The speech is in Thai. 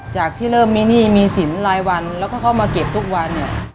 จากที่เริ่มมีหนี้มีสินรายวันแล้วก็เข้ามาเก็บทุกวันเนี่ย